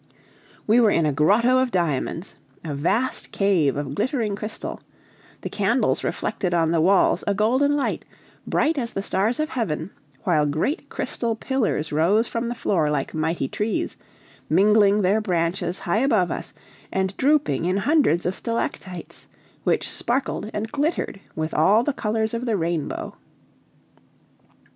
We were in a grotto of diamonds a vast cave of glittering crystal: the candles reflected on the walls a golden light, bright as the stars of heaven, while great crystal pillars rose from the floor like mighty trees, mingling their branches high above us and drooping in hundreds of stalactites, which sparkled and glittered with all the colors of the rainbow.